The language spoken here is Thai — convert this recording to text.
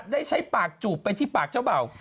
ได้ใช้ปากจูบไปที่ปากเจ้าเบ่า